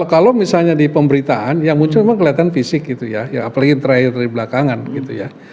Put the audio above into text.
kalau misalnya di pemberitaan yang muncul memang kelihatan fisik gitu ya apalagi terakhir dari belakangan gitu ya